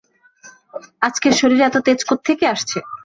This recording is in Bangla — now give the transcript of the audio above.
আজকে শরীরে এত তেজ কোত্থেকে আসছে?